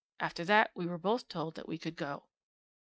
After that we were both told that we could go.'